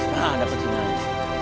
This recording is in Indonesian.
nah dapet sini aja